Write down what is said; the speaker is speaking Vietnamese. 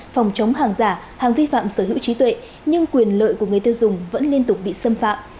phòng chống hàng giả hàng vi phạm sở hữu trí tuệ nhưng quyền lợi của người tiêu dùng vẫn liên tục bị xâm phạm